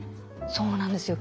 そうなんですよ。